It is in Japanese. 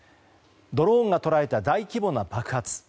ドローンが捉えた大規模な爆発。